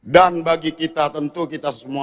dan bagi kita tentu kita semua